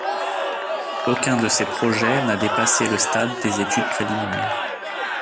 Aucun de ces projets n'a dépassé le stade des études préliminaires.